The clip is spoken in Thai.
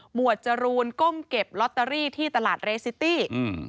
วดจรูนก้มเก็บลอตเตอรี่ที่ตลาดเรซิตี้อืม